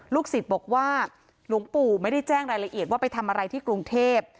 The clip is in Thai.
สิทธิ์บอกว่าหลวงปู่ไม่ได้แจ้งรายละเอียดว่าไปทำอะไรที่กรุงเทพ